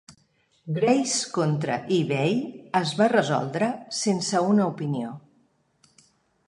Grace contra eBay es va resoldre sense una opinió.